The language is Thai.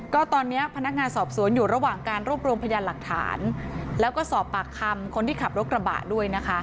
ก็ตอนนี้พนักงานสอบสวนอยู่ระหว่างการรวบรวมพยานหลักฐานแล้วก็สอบปากคำคนที่ขับรถกระบะด้วยนะคะ